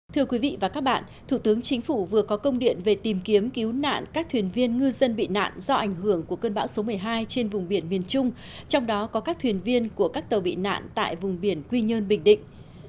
thưa quý vị và các bạn thủ tướng chính phủ vừa có công điện về tìm kiếm cứu nạn các thuyền viên ngư dân bị nạn do ảnh hưởng của cơn bão số một mươi hai trên vùng biển miền trung trong đó có các thuyền viên của các tàu bị nạn tại vùng biển quy nhơn bình định